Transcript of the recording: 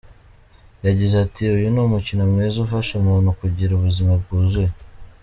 Yagize ati “Uyu ni umukino mwiza, ufasha umuntu kugira ubuzima bwuzuye.